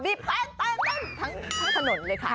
วิปแต่ถ่ยเตี้ยตั้งทั้งถนนเลยค่ะ